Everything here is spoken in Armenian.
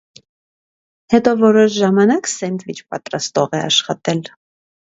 Հետո որոշ ժամանակ սենդվիչ պատրաստող է աշխատել։